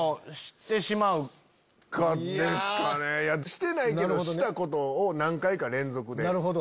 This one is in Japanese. してないけどしたことを何回か連続で。